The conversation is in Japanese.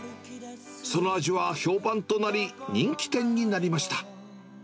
その味は評判となり、人気店になりました。